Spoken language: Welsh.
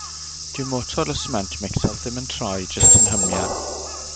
Dyw motor y sment micsar ddim yn troi, jyst yn hymian.